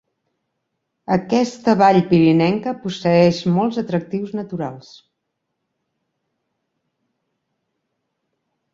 Aquesta vall pirinenca posseeix molts atractius naturals.